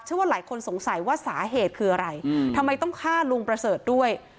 ว่าหลายคนสงสัยว่าสาเหตุคืออะไรทำไมต้องฆ่าลุงประเสริฐด้วย